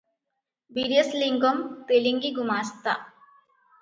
ବିରେଶ ଲିଙ୍ଗମ୍ ତେଲିଙ୍ଗୀ ଗୁମାସ୍ତା ।